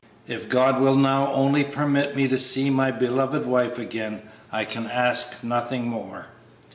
If God will now only permit me to see my beloved wife again, I can ask nothing more!"